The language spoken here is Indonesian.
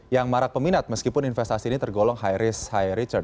yang marak peminat meskipun investasi ini tergolong high risk high return